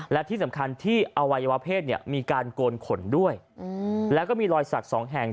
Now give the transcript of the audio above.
และที่สำคัญที่อวัยวะเพศมีการโกนขนด้วยและก็มีรอยศักดิ์๒แห่ง